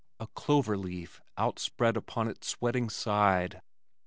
a clover leaf Out spread upon its sweating side!